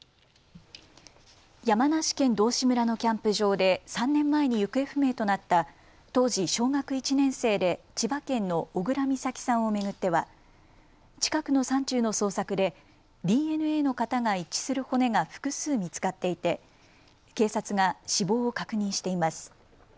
山梨県道志村のキャンプ場で３年前に行方不明となった当時、小学１年生で千葉県の小倉美咲さんを巡っては近くの山中の捜索でＤＮＡの型が一致する骨が複数見つかっていて警察が死亡を確認しています。